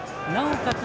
なおかつ